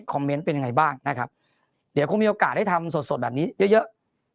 คอมเมนต์เป็นไงบ้างนะครับเดี๋ยวคงมีโอกาสได้ทำสดแบบนี้เยอะ